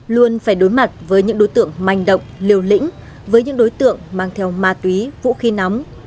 luôn phải đối mặt với những đối tượng manh động liều lĩnh với những đối tượng mang theo ma túy vũ khí nóng